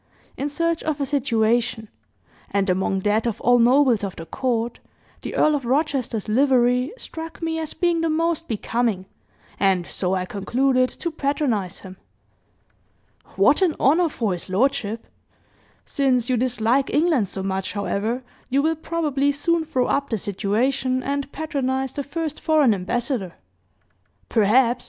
in search of a situation; and among that of all nobles of the court, the Earl of Rochester's livery struck me as being the most becoming, and so I concluded to patronize him." "What an honor for his lordship! Since you dislike England so much, however, you will probably soon throw up the situation and, patronize the first foreign ambassador " "Perhaps!